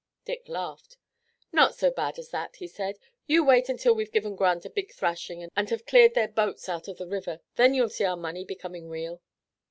Dick laughed. "Not so bad as that," he said. "You wait until we've given Grant a big thrashing and have cleared their boats out of the river. Then you'll see our money becoming real."